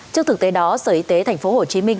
trước thực tế đó sở y tế thành phố hồ chí minh